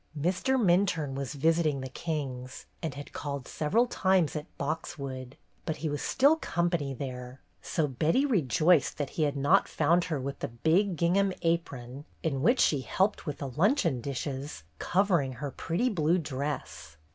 Mr. Minturne was visiting the Kings, and had called several times at " Boxwood," but he was still "company" there, so Betty rejoiced that he had not found her with the big ging ham apron, in which she "helped with the luncheon dishes," covering her pretty blue dress.